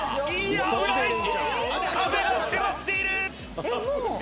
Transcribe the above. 壁が迫っている！